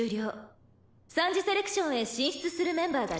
「三次セレクションへ進出するメンバーが出そろいました」